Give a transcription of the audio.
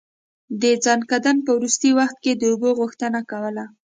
د ځنکدن په وروستی وخت يې د اوبو غوښتنه کوله.